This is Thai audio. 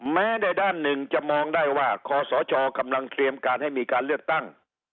แม้ในด้านหนึ่งจะมองได้ว่าคอสชกำลังเตรียมการให้มีการเลือกตั้ง